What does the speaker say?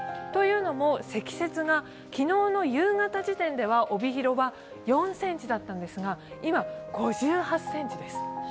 というのも積雪が昨日の夕方時点で、帯広は５２ｃｍだったのが今、５８ｃｍです。